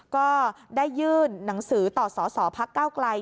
ก็ได้ยื่นหนังสือต่อสอสอพักเก้าไกล